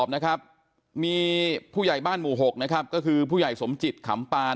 นะครับมีผู้ใหญ่บ้านหมู่๖นะครับก็คือผู้ใหญ่สมจิตขำปาน